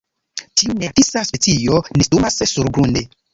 Tiu nearktisa specio nestumas surgrunde.